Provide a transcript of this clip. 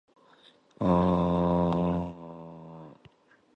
The hierarchy of courts derives largely from British juridical forms.